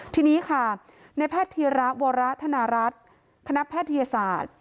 ทีนี้ค่ะในแพทย์ธีระวรธนรัฐคณะแพทยศาสตร์